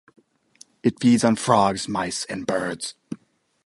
It feeds on frogs, mice and birds.